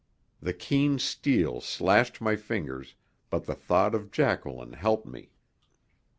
The keen steel slashed my fingers, but the thought of Jacqueline helped me.